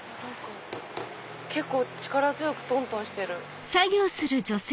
結構力強くトントンしてる。